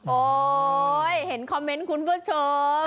โอ๊ยเห็นคอมเมนต์คุณผู้ชม